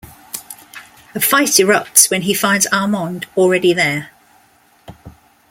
A fight erupts when he finds Armand already there.